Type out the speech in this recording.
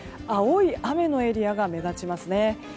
青い雨のエリアが目立ちますね。